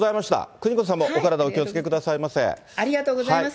邦子さんもお体、ありがとうございます。